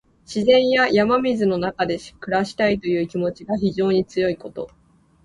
自然や山水の中で暮らしたいという気持ちが非常に強いこと。